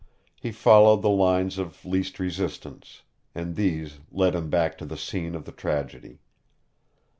He followed the lines of least resistance, and these led him back to the scene of the tragedy.